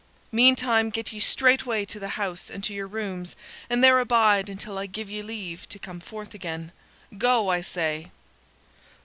Meantime get ye straightway to the house and to your rooms, and there abide until I give ye leave to come forth again. Go, I say!"